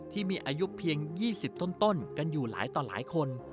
ที่มีอายุเพียง๒๐ต้นกันอยู่หลายต่อหลายคน